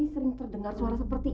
sering terdengar suara sebagainya